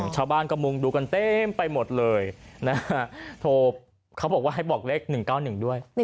ชาวบ้านก็มุงดูกันเต็มไปหมดเลยนะฮะโทรเขาบอกว่าให้บอกเลข๑๙๑ด้วย